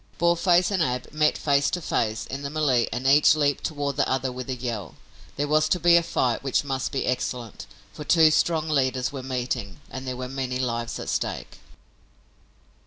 Boarface and Ab met face to face in the melée and each leaped toward the other with a yell. There was to be a fight which must be excellent, for two strong leaders were meeting and there were many lives at stake.